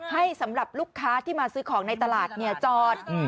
สำหรับลูกค้าที่มาซื้อของในตลาดจอด